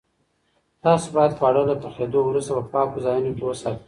تاسو باید خواړه له پخېدو وروسته په پاکو ځایونو کې وساتئ.